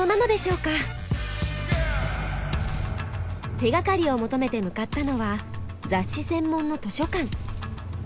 手がかりを求めて向かったのは雑誌専門の図書館。